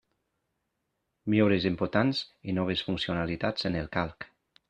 Millores importants i noves funcionalitats en el Calc.